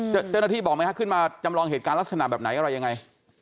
เจ้าหน้าที่บอกไหมฮะขึ้นมาจำลองเหตุการณ์ลักษณะแบบไหนอะไรยังไง